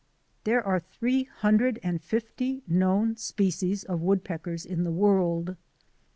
There are three hundred and fifty known species of woodpeckers in the world.